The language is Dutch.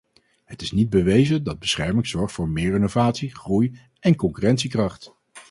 Het is niet bewezen dat bescherming zorgt voor meer innovatie, groei en concurrentiekracht.